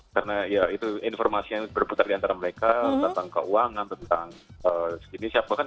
karena ya itu informasi yang berputar di antara mereka tentang keuangan tentang segini siapa kan